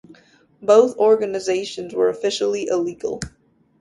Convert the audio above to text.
Both organizations were officially illegal.